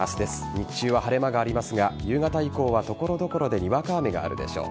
日中は晴れ間がありますが夕方以降は所々でにわか雨があるでしょう。